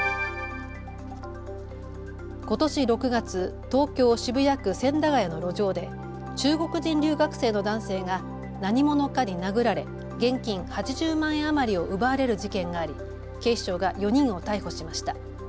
ことし６月、東京渋谷区千駄ヶ谷の路上で中国人留学生の男性が何者かに殴られ現金８０万円余りを奪われる事件があり警視庁が４人を逮捕しました。